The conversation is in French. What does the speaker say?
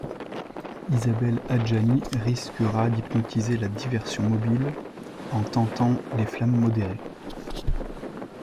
Isabelle Adjani risquera d'hypnotiser la diversion mobile en tentant les flammes modérées.